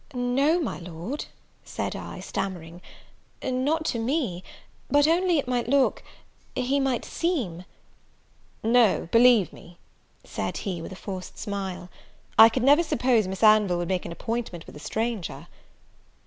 "No, my Lord," said I, stammering, "not to me but only it might look he might seem " "No, believe me," said he, with a forced smile, "I could never suppose Miss Anville would make an appointment with a stranger."